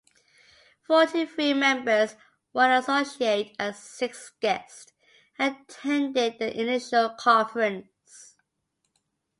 Forty-three members, one associate and six guests, attended the initial Conference.